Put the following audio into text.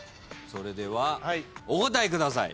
それではお答えください。